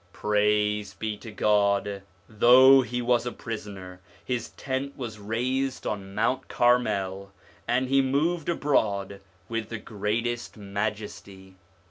Praise be to God ! though he was a prisoner, his tent was raised on Mount Carmel, and he moved abroad with the greatest majesty.